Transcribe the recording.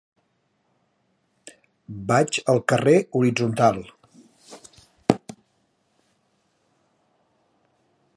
Vaig al carrer Horitzontal.